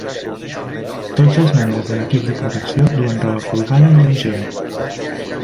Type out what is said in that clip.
Tots els membres de l'equip de protecció duen roba folgada i lleugera.